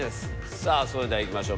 さぁそれではいきましょう。